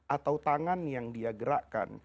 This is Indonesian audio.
atau tangan yang dia gerakkan